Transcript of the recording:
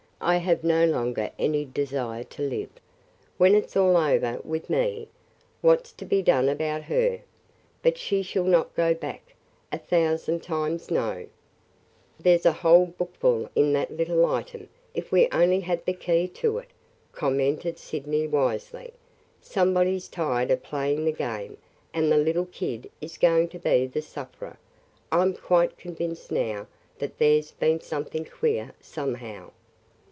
I have no longer any great desire to live. When it 's all over with me, what 's to be done about her? But she shall not go back – a thousand times no!' "There 's a whole bookful in that little item, if we only had the key to it," commented Sydney wisely. "Somebody's tired of 'playing the game' and the little kid is going to be the sufferer. I 'm quite convinced now that there 's been something queer somehow!"